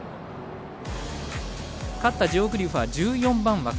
勝ったジオグリフは１４番枠。